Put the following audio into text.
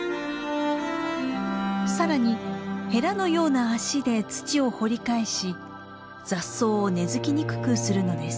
更にヘラのような足で土を掘り返し雑草を根づきにくくするのです。